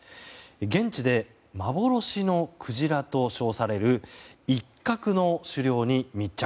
現地で幻のクジラと称されるイッカクの狩猟に密着。